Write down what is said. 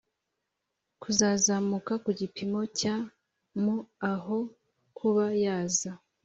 kuzazamuka ku gipimo cya mu aho kuba yaza